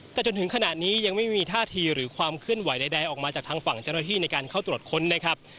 แต่จนถึงขณะนี้ยังไม่มีท่าทีหรือความเคลื่อนไหวใดออกมาจากทางฝั่งเจ้าหน้าที่ในการเข้าตรวจค้นนะครับ